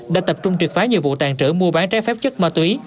đã tập trung triệt phái nhiều vụ tàn trở mua bán trái phép chất ma túy